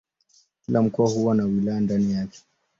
Kila mkoa huwa na wilaya ndani yake.